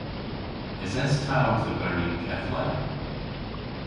Eses ta owth oberi y'n keth le?